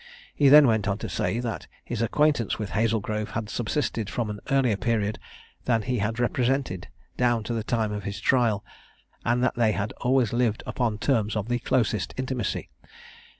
He then went on to say, that his acquaintance with Hazlegrove had subsisted from an earlier period than he had represented, down to the time of his trial; and that they had always lived upon terms of the closest intimacy.